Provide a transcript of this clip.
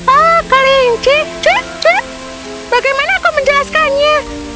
oh siklinci cuit cuit bagaimana aku menjelaskannya